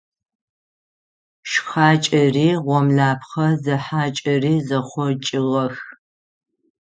Шхакӏэри гъомлэпхъэ зехьакӏэри зэхъокӏыгъэх.